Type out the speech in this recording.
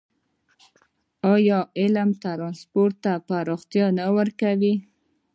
آیا عام ټرانسپورټ ته پراختیا نه ورکوي؟